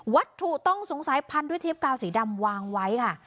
วัตถุต้องสงสัยพันด้วยเทปกาวสีดำวางไว้ค่ะ